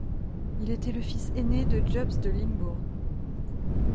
Il était le fils aîné de Jobst de Limbourg.